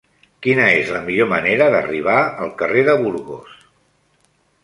Quina és la millor manera d'arribar al carrer de Burgos?